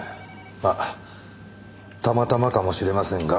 まあたまたまかもしれませんが。